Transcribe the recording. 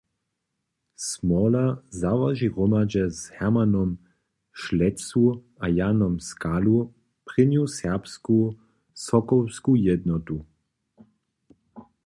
Smoler załoži hromadźe z Hermanom Šlecu a Janom Skalu prěnju serbsku sokołsku jednotu.